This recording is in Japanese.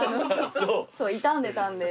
そう傷んでたんで。